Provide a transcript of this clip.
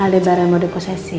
aldebaran mode posesi ya